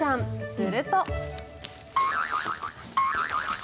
すると。